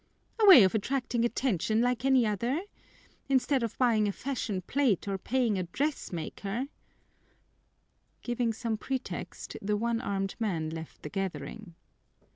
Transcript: "A way of attracting attention, like any other! Instead of buying a fashion plate or paying a dressmaker " Giving some pretext, the one armed man left the gathering.